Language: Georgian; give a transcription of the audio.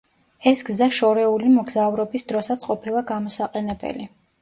ეს გზა შორეული მგზავრობის დროსაც ყოფილა გამოსაყენებელი.